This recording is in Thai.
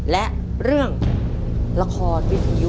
และเรื่องละครวิทยุ